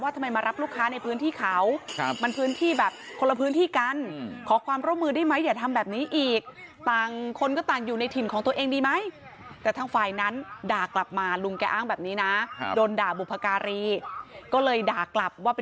ว่าทำไมมารับลูกค้าในพื้นที่ขาวมันพื้นที่แบบคนละพื้นที่กันขอความระบวนได้ไหมอย่าทำแบบนี้อีก